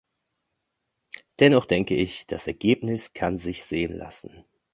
Dennoch denke ich, das Ergebnis kann sich sehen lassen.